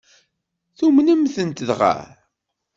Tumnemt-tent dɣa?